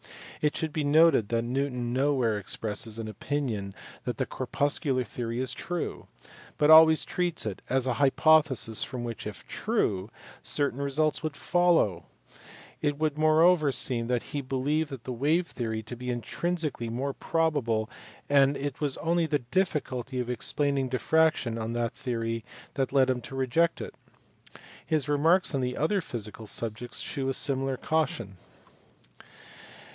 It should be noted that Newton nowhere expresses an opinion that the corpuscular theory is true, but always treats it as an hypothesis from which, if true, certain results would follow : it would moreover seem that he believed the wave theory to be intrinsically more probable, and it was only the difficulty of explaining diffraction on that theory that led him to reject it. His remarks on other physical subjects shew a similar caution.